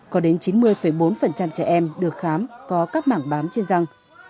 có đến chín mươi bốn trẻ em được khám có các mảng bám trên răng